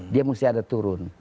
dia mesti ada turun